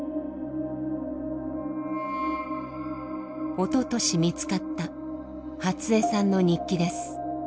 おととし見つかった初恵さんの日記です。